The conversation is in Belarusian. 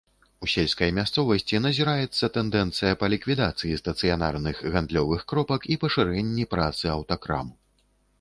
У сельскай мясцовасці назіраецца тэндэнцыя па ліквідацыі стацыянарных гандлёвых кропак і пашырэнні працы аўтакрам.